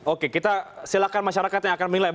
oke kita silakan masyarakat yang akan menilai